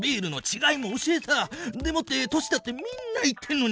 でもって年だってみんな言ってんのに。